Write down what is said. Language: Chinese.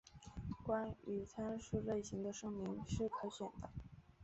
关于参数类型的声明是可选的。